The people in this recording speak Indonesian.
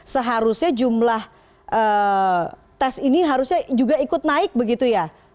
seharusnya jumlah tes ini harusnya juga ikut naik begitu ya